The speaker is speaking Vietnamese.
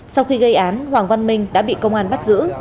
sau khi gây án hoàng văn minh đã bị công an bắt giữ